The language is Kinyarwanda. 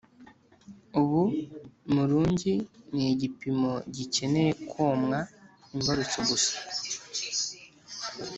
ubu murungi nigikipimo gikeneye gukomwa imbarutso gusa.